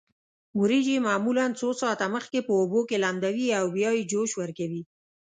وریجې معمولا څو ساعته مخکې په اوبو کې لمدوي او بیا یې جوش ورکوي.